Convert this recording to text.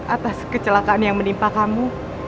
atas kecelakaan yang menimpa kamu